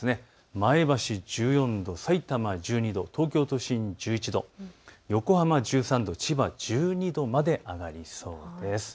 前橋１４度、さいたま１２度東京都心１１度、横浜１３度千葉１２度まで上がりそうです。